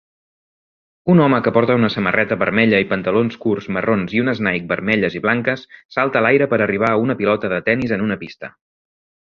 Un home que porta una samarreta vermella i pantalons curts marrons i unes Nike vermelles i blanques salta a l'aire per arribar a una pilota de tenis en una pista